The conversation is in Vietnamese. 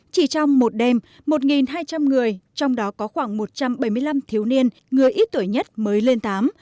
chỉ trong một đêm một hai trăm linh người trong đó có khoảng một trăm bảy mươi năm thiếu niên người ít tuổi nhất mới lên tám